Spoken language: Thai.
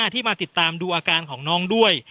ที่มาติดตามดูอาการของน้องด้วย